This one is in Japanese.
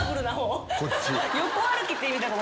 横歩きって意味だと。